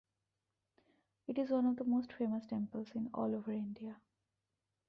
It is one of the most famous temples in all over India.